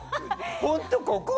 本当、ここ？